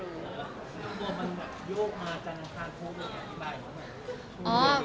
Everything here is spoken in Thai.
แฟนคลับของคุณไม่ควรเราอะไรไง